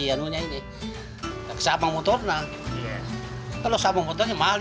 yang punya ini sampai motornya kalau sama sama